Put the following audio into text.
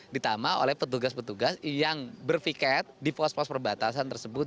ditambah oleh petugas petugas yang berfiket di pos pos perbatasan tersebut